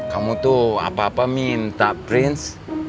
kamu tuh apa apa minta prince